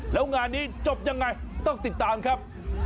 แล้วงานนี้จบยังไงต้องติดตามครับ